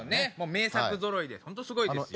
名作ぞろいでホントすごいですよ。